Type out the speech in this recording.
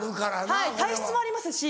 はい体質もありますし。